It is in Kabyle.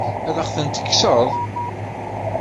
Ad aɣ-tent-tekkseḍ?